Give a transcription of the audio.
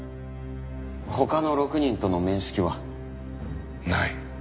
他の６人との面識は？ない。